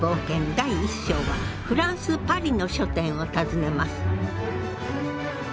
第一章はフランス・パリの書店を訪ねます。